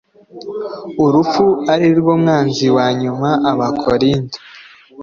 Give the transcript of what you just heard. urupfu ari rwo mwanzi wa nyuma Abakorinto